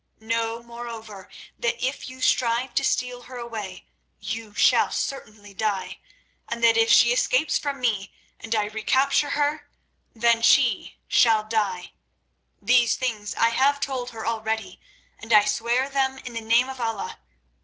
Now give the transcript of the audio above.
Know, moreover, that if you strive to steal her away you shall certainly die; and that if she escapes from me and I recapture her, then she shall die. These things I have told her already, and I swear them in the name of Allah.